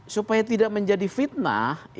supaya tidak menjadi fitnah